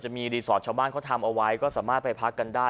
มีรีสอร์ทชาวบ้านเขาทำเอาไว้ก็สามารถไปพักกันได้